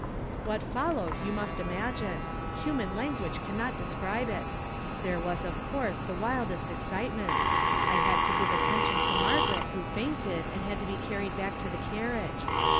"What foUowed you must imagine ; human Ian guage cannot deserihe it. 'J'here was of coui se the wiUU'st excitement; and I had to give atten tion to Margaret, who fainted, and liad to he car ried hack to the carriage.